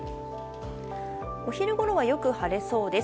お昼ごろはよく晴れそうです。